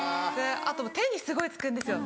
あと手にすごいつくんですよ